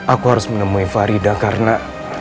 aku harus menemui farida karena